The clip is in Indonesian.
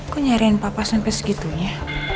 kok nyariin papa sampai segitunya